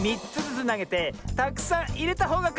つなげてたくさんいれたほうがかちよ！